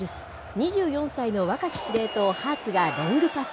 ２４歳の若き司令塔、ハーツがロングパス。